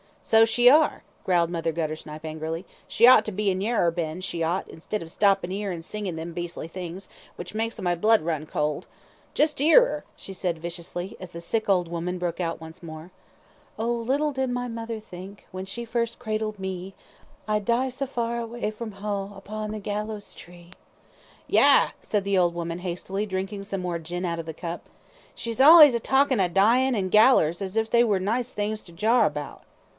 "So she are," growled Mother Guttersnipe, angrily. "She ought to be in Yarrer Bend, she ought, instead of stoppin' 'ere an' singin' them beastly things, which makes my blood run cold. Just 'ear 'er," she said, viciously, as the sick woman broke out once more "Oh, little did my mither think, When first she cradled me, I'd die sa far away fra home, Upon the gallows tree." "Yah!" said the old woman, hastily, drinking some more gin out of the cup. "She's allays a talkin' of dyin' an' gallers, as if they were nice things to jawr about."